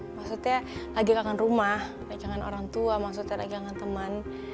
maksudnya lagi kangen rumah lagi kangen orang tua lagi kangen teman